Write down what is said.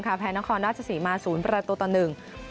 ค่ะแพรนคอนดัชศรีมาบสูญประตูต่อหนึ่ง